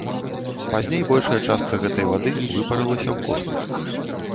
Пазней большая частка гэтай вады выпарылася ў космас.